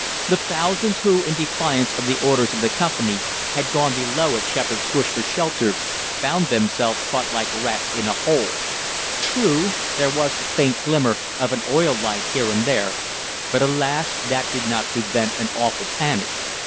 The thousands who, in defiance of the orders of the company, had gone below at Shepherd's Bush for shelter, found themselves caught like rats in a hole. True, there was the faint glimmer of an oil light here and there, but, alas! that did not prevent an awful panic.